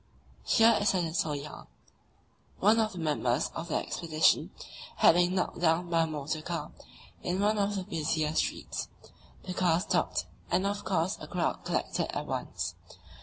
Here is a little yarn: One of the members of the expedition had been knocked down by a motor car in one of the busiest streets; the car stopped and of course a crowd collected at once.